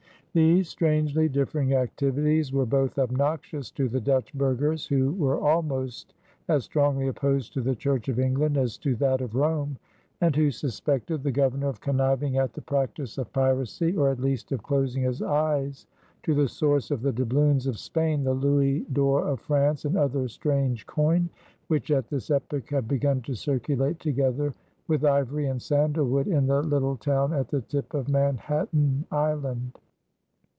These strangely differing activities were both obnoxious to the Dutch burghers, who were almost as strongly opposed to the Church of England as to that of Rome, and who suspected the Governor of conniving at the practice of piracy or at least of closing his eyes to the source of the doubloons of Spain, the louis d'or of France, and other strange coin which at this epoch had begun to circulate together with ivory and sandalwood in the little town at the tip of Manhattan Island.